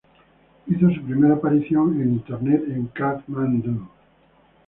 Hizo su primera aparición en internet en "Cat Man Do".